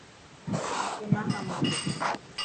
مٿو نا کا مانجو.